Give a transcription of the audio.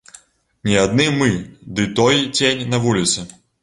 Не адны мы ды той цень на вуліцы.